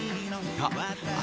あ